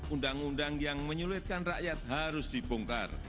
undang undang yang menyulitkan rakyat harus dibongkar